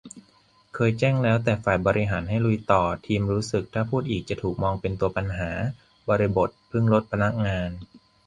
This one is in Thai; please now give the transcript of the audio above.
เคยแจ้งแล้ว แต่ฝ่ายบริหารให้ลุยต่อ ทีมรู้สึกถ้าพูดอีกจะถูกมองเป็นตัวปัญหา บริบท : เพิ่งลดพนักงาน